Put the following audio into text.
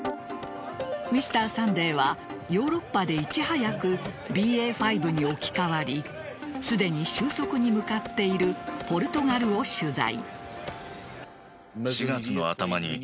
「Ｍｒ．サンデー」はヨーロッパでいち早くＢＡ．５に置き換わりすでに収束に向かっているポルトガルを取材。